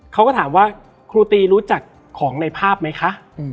เขาก็ถามว่าครูตีรู้จักของในภาพไหมคะ